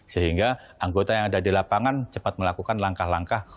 sehingga anggota yang ada di lapangan cepat melakukan langkah langkah